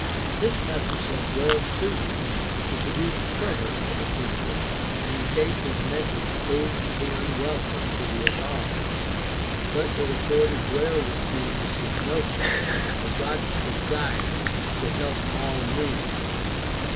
This method was well suited to produce trouble for the teacher in case his message proved to be unwelcome to the authorities, but it accorded well with Jesus' notion of God's desire to help all men.